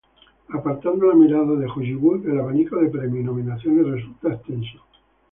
Apartando la mirada de Hollywood, el abanico de premios y nominaciones resulta extenso.